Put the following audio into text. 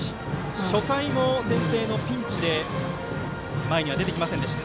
初回も先制のピンチで前には出てきませんでした。